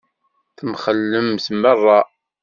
Temxellemt meṛṛa.